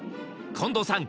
近藤さん